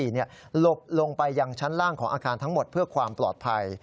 หลบลงไปยังชั้นล่างของอาคารทั้งหมดเพื่อความปลอดภัย